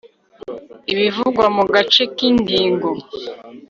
ibivugwa mu gace k ingingo